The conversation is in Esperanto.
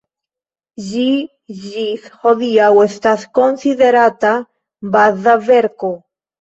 Ĝi ĝis hodiaŭ estas konsiderata baza verko.